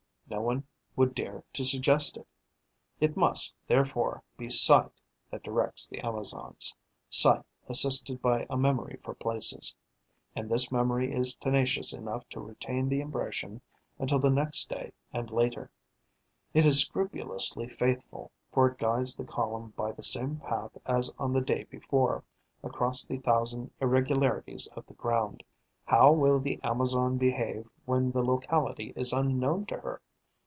No one would dare to suggest it. It must, therefore, be sight that directs the Amazons, sight assisted by a memory for places. And this memory is tenacious enough to retain the impression until the next day and later; it is scrupulously faithful, for it guides the column by the same path as on the day before, across the thousand irregularities of the ground. How will the Amazon behave when the locality is unknown to her?